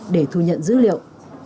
để thu nhận dữ liệu